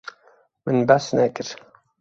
Min behs nekir.